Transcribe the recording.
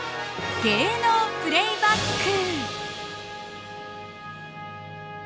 芸能プレイバック。